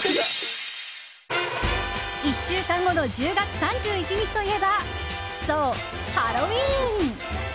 １週間後の１０月３１日といえばそう、ハロウィーン！